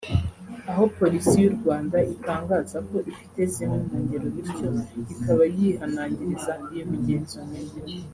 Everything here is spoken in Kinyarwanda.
aho Polisi y’u Rwanda itangaza ko ifite zimwe mu ngero bityo ikaba yihanangiriza iyo migenzo mibi